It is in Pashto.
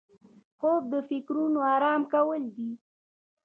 خوب د فکرونو آرام کول دي